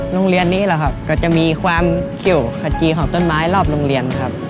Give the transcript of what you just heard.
โรงเรียนนี้แหละครับก็จะมีความเกี่ยวขจีของต้นไม้รอบโรงเรียนครับ